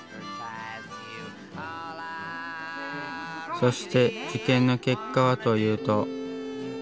そして受験の結果はというと。